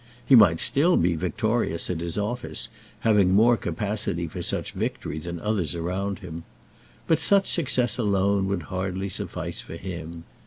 He might still be victorious at his office, having more capacity for such victory than others around him. But such success alone would hardly suffice for him.